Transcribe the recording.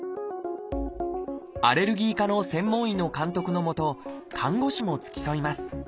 アレルギー科の専門医の監督の下看護師も付き添います。